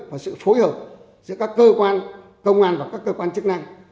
và sự phối hợp giữa các cơ quan công an và các cơ quan chức năng